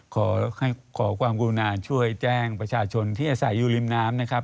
ขอความกรุณาช่วยแจ้งประชาชนที่อาศัยอยู่ริมน้ำนะครับ